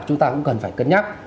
chúng ta cũng cần phải cân nhắc